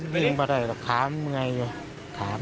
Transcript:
วิ่งไปได้แล้วขามึงไง